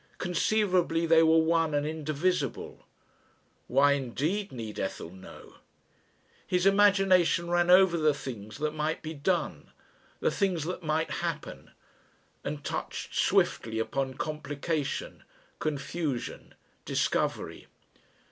Conceivably they were one and indivisible. Why indeed need Ethel know? His imagination ran over the things that might be done, the things that might happen, and touched swiftly upon complication, confusion, discovery.